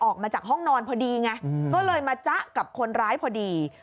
ออกมาจากห้องนอนพอดีไงก็เลยมาจ๊ะกับคนร้ายพอดี